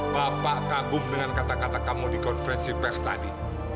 bapak kagum dengan kata kata kamu di konferensi pers tadi